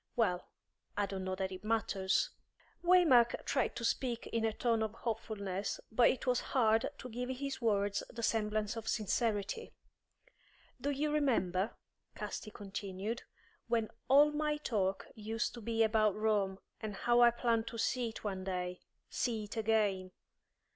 Well, I don't know that it matters." Waymark tried to speak in a tone of hopefulness, but it was hard to give his words the semblance of sincerity. "Do you remember," Casti continued, "when all my talk used to be about Rome, and how I planned to see it one day see it again.